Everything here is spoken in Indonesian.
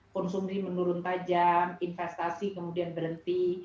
konsumsi menurun tajam investasi kemudian berhenti